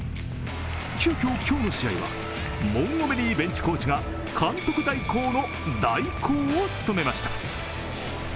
急きょ、今日の試合はモンゴメリーベンチコーチが監督代行の代行を務めました。